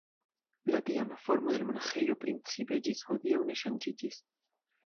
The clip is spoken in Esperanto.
La tiama formo de la monaĥejo principe ĝis hodiaŭ ne ŝanĝiĝis.